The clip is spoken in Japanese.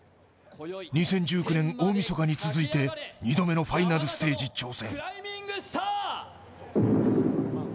２０１９年大みそかに続いて２度目のファイナルステージ挑戦。